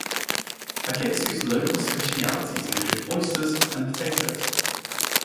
Akitsu's local specialties include oysters and potatoes.